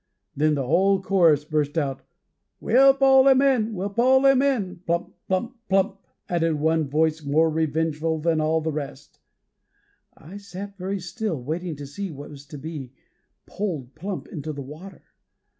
Then the whole chorus burst out,'We'll pull him in, we'll pull him in.' 'Plump, plump, plump,' added one voice more revengeful than all the rest. I sat very still, waiting to see what was to be pulled plump into the water.